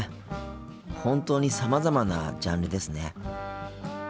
本当にさまざまなジャンルですね。